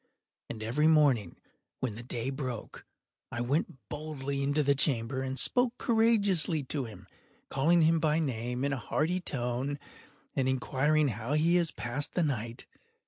And every morning, when the day broke, I went boldly into the chamber, and spoke courageously to him, calling him by name in a hearty tone, and inquiring how he has passed the night.